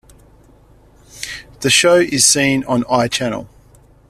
The show is seen on iChannel.